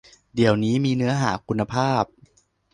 เดี๋ยวนี้มีเนื้อหาคุณภาพ